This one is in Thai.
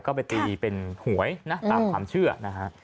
ก็ไปตีเป็นหวยนะตามความเชื่อนะฮะ